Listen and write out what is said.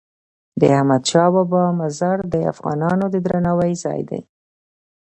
د احمدشاه بابا مزار د افغانانو د درناوي ځای دی.